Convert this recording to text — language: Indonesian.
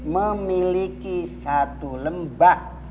memiliki satu lembah